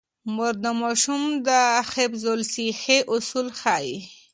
مور د ماشوم د حفظ الصحې اصول ښيي.